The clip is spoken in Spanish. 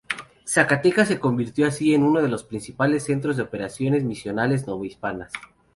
Zacatecas se convirtió así en uno de los principales centros de operaciones misionales novohispanas.